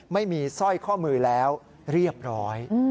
สร้อยข้อมือแล้วเรียบร้อย